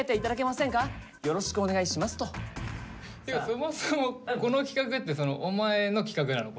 そもそもこの企画ってお前の企画なの？